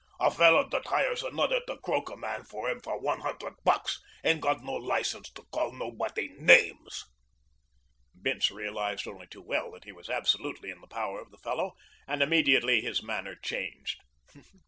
"A fellow that hires another to croak a man for him for one hundred bucks ain't got no license to call nobody names." Bince realized only too well that he was absolutely in the power of the fellow and immediately his manner changed.